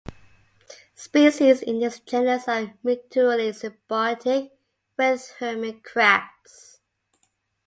Species in this genus are mutually symbiotic with hermit crabs.